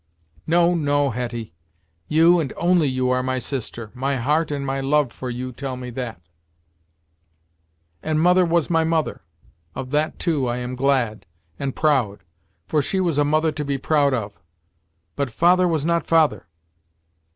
"No, no Hetty. You and you only are my sister my heart, and my love for you tell me that and mother was my mother of that too am I glad, and proud; for she was a mother to be proud of but father was not father!"